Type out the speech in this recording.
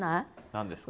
何ですか？